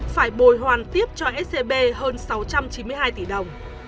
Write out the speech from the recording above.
phải bồi hoàn tiếp cho scb hơn sáu trăm chín mươi hai tỷ đồng